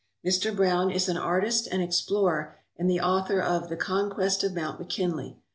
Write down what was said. Mr. Browne is an artist, an explorer, and the author of the "Conquest of Mount McKinley."